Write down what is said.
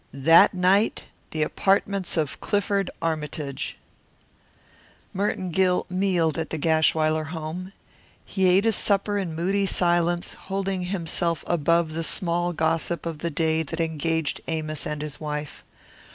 THAT NIGHT THE APARTMENTS OF CLIFFORD ARMYTAGE Merton Gill mealed at the Gashwiler home. He ate his supper in moody silence, holding himself above the small gossip of the day that engaged Amos and his wife.